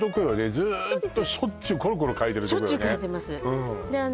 ずーっとしょっちゅうコロコロ変えてるとこよね？